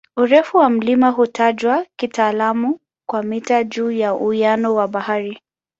Urefu wa mlima hutajwa kitaalamu kwa "mita juu ya uwiano wa bahari".